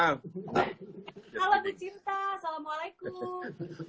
halo bu cinta assalamualaikum